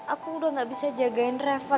aku udah gak bisa jagain driver